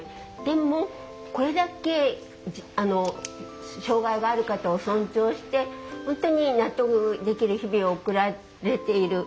でもこれだけ障害がある方を尊重して本当に納得できる日々を送られている。